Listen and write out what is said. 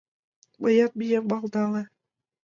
«Мыят мием» малдале.